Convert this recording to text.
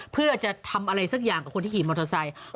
เพื่อจะทำอะไรสักอย่างกับคนที่ขี่มอเตอร์ไซค์